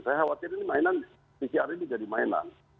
saya khawatir ini mainan pcr ini jadi mainan